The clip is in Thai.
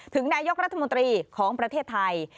ถึงนายกรัฐมนตรีของประเทศไทย